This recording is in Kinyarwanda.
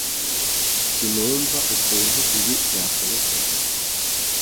Sinumva ukuntu ibi byashobokaga